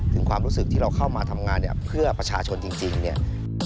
ถึงความรู้สึกที่เราเข้ามาทำงานเนี่ยเพื่อประชาชนจริงเนี่ย